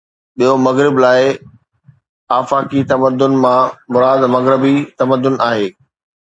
ٻيو، مغرب لاءِ، آفاقي تمدن مان مراد مغربي تمدن آهي.